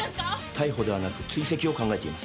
逮捕ではなく追跡を考えています。